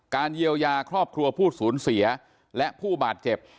เยียวยาครอบครัวผู้สูญเสียและผู้บาดเจ็บ